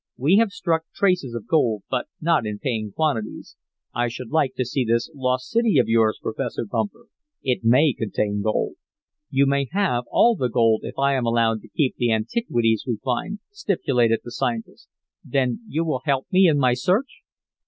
We have struck traces of gold, but not in paying quantities. I should like to see this lost city of yours, Professor Bumper. It may contain gold." "You may have all the gold, if I am allowed to keep the antiquities we find," stipulated the scientist. "Then you will help me in my search?"